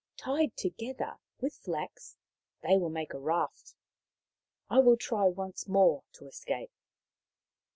" Tied together with flax they will make a raft. I will try once more to escape."